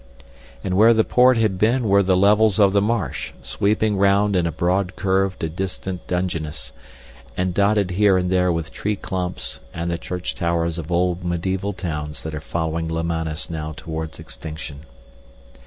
And where the port had been were the levels of the marsh, sweeping round in a broad curve to distant Dungeness, and dotted here and there with tree clumps and the church towers of old mediæval towns that are following Lemanis now towards extinction.